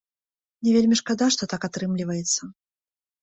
Мне вельмі шкада, што так атрымліваецца.